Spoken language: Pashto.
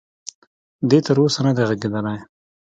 دې تر اوسه ندی ږغېدلی.